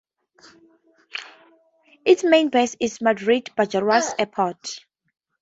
Its main base is Madrid-Barajas Airport.